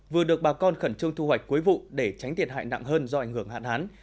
vừa được bà con khẩn trương thu hoạch cuối vụ để tránh thiệt hại nặng hơn do ảnh hưởng hạn hán